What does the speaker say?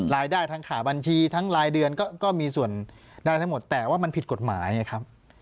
รายได้ทั้งขาบัญชีทั้งรายเดือนก็มีส่วนได้ทั้งหมดแต่ว่ามันผิดกฎหมายไงครับ